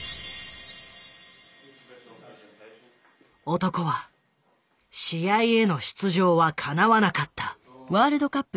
男は試合への出場はかなわなかった。